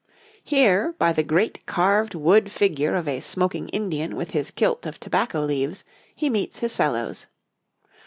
Here, by the great carved wood figure of a smoking Indian with his kilt of tobacco leaves, he meets his fellows.